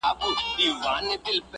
• دواړه په یوه اندازه اهمیت لري -